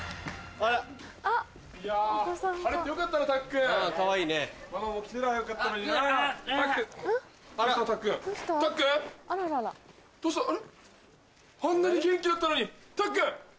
あんなに元気だったのにたっくん！